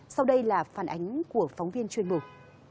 sau đây là phản ánh của phóng viên chuyên mục